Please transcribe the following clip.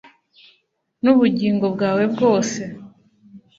n’ubugingo bwawe bwose,